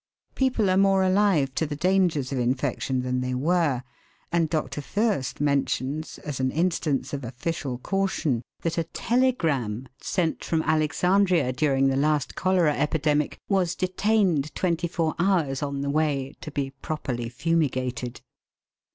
People are more alive to the dangers of infection than they were, and Dr. Fiirst mentions, as an instance of official caution, that a telegram sent from Alexandria during the last cholera epidemic, was detained twenty four hours on the way, to be properly fumigated